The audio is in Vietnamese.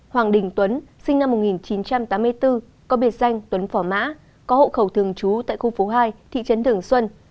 hoàng đình tuấn sinh năm một nghìn chín trăm tám mươi bốn có biệt danh tuấn phỏ mã có hộ khẩu thường trú tại khu phố hai thị trấn thường xuân